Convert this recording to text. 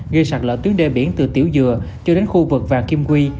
gây sạt lỡ tuyến đê biển từ tiểu dừa cho đến khu vực và kim quy